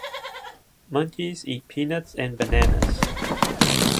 Monkeys eat peanuts and bananas.